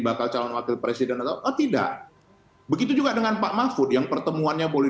bakal calon wakil presiden atau oh tidak begitu juga dengan pak mahfud yang pertemuannya boleh